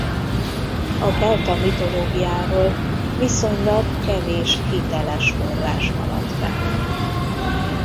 A kelta mitológiáról viszonylag kevés hiteles forrás maradt fenn.